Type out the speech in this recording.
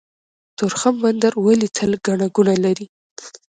تورخم بندر ولې تل ګڼه ګوڼه لري؟